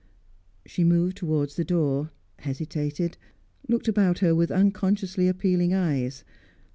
She moved towards the door, hesitated, looked about her with unconsciously appealing eyes.